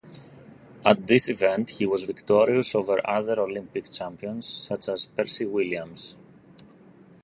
At this event, he was victorious over other Olympic champions, such as Percy Williams.